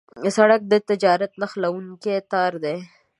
سړک د تجارت نښلونکی تار دی.